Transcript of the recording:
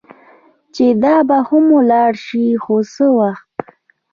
چې دا به هم ولاړه شي، خو څه وخت.